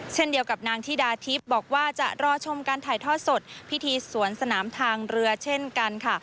เช่นเดียวกับนางธิดาทิพย์บอกว่าจะรอชมการถ่ายทอดสดพิธีสวนสนามทางเรือเช่นกันค่ะ